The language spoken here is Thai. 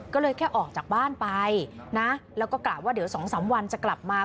ก็เลยแค่ออกจากบ้านไปนะแล้วก็กล่าวว่าเดี๋ยวสองสามวันจะกลับมา